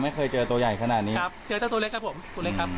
ไม่เคยเจอตัวใหญ่ขนาดนี้ครับเจอเจ้าตัวเล็กครับผมตัวเล็กครับ